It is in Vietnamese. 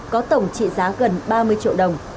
có tổng trị giá gần ba mươi triệu đồng